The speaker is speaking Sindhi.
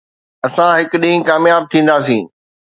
اسان هڪ ڏينهن ڪامياب ٿينداسين